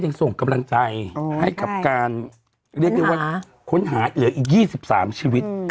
ได้ยังส่งกำลังใจให้กับการค้นหาเหลืออีก๒๓ชีวิต